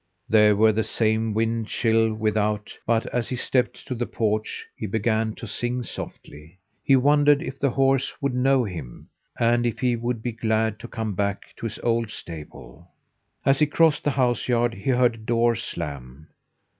There were the same wind and chill without, but as he stepped to the porch he began to sing softly. He wondered if the horse would know him, and if he would be glad to come back to his old stable. As he crossed the house yard he heard a door slam.